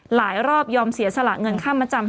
รอบยอมเสียสละเงินค่ามาจำ